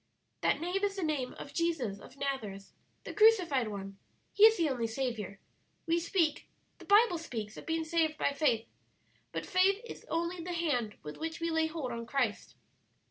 "That name is the name of Jesus of Nazareth, the crucified One. He is the only Saviour. We speak the Bible speaks of being saved by faith, but faith is only the hand with which we lay hold on Christ.